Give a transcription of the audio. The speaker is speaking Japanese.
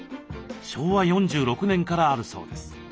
昭和４６年からあるそうです。